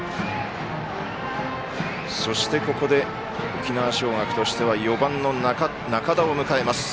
そしてここで、沖縄尚学としては４番の仲田を迎えます。